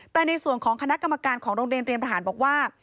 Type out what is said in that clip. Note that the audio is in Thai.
แต่ในส่วนของคณะกรรมการของโรงเรียนเตรียมทหารบอกว่า